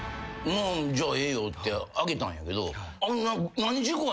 じゃあええよってあげたんやけど。